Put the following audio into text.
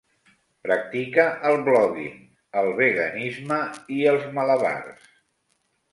Practica el blogging, el veganisme i els malabars.